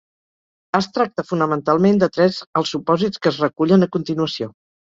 Es tracta fonamentalment de tres els supòsits que es recullen a continuació.